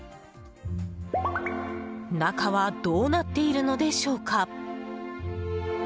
中はどうなっているのでしょうか。